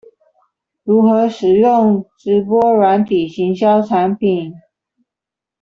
如何使用直播軟體行銷產品